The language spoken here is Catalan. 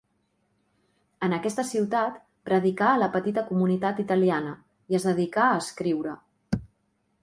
En aquesta ciutat predicà a la petita comunitat italiana i es dedicà a escriure.